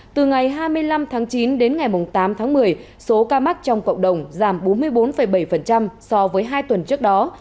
từ ngày hai mươi năm tháng chín đến ngày tám tháng một mươi số ca mắc trong cộng đồng giảm bốn mươi bốn bảy so với hai tuần trước đó